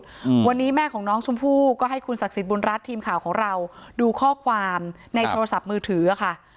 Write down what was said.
อืมวันนี้แม่ของน้องชมพู่ก็ให้คุณศักดิ์สิทธิบุญรัฐทีมข่าวของเราดูข้อความในโทรศัพท์มือถืออ่ะค่ะ